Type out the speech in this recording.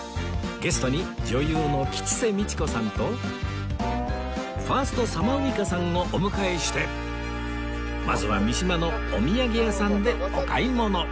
ゲストに女優の吉瀬美智子さんとファーストサマーウイカさんをお迎えしてまずは三島のお土産屋さんでお買い物